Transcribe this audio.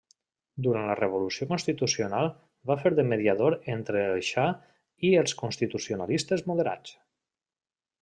Durant la revolució constitucional va fer de mediador entre el xa i els constitucionalistes moderats.